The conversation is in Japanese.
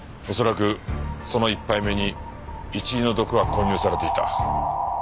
恐らくその１杯目にイチイの毒は混入されていた。